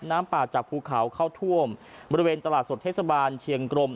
น้ำป่าจากภูเขาเข้าท่วมบริเวณตลาดสดเทศบาลเชียงกรม